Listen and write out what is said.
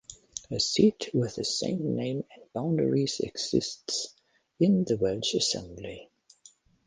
A seat with the same name and boundaries exists in the Welsh Assembly.